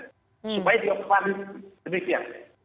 supaya jawaban lebih siang